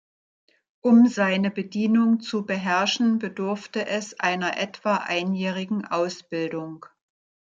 Um seine Bedienung zu beherrschen, bedurfte es einer etwa einjährigen Ausbildung.